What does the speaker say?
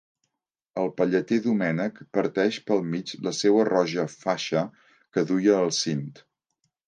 El palleter Doménech parteix pel mig la seua roja faixa que duia al cint.